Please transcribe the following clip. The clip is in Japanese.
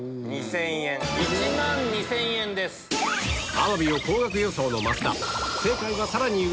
アワビを高額予想の増田